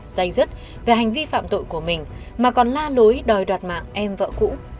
dây dứt về hành vi phạm tội của mình mà còn la nối đòi đoạt mạng em vợ cũ